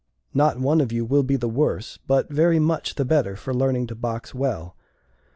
Not one of you will be the worse, but very much the better, for learning to box well.